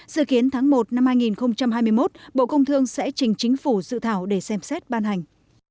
dự kiến tháng một năm hai nghìn hai mươi một bộ công thương sẽ trình chính phủ dự thảo để xem xét ban hành